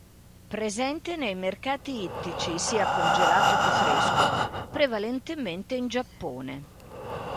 Presente nei mercati ittici, sia congelato che fresco, prevalentemente in Giappone.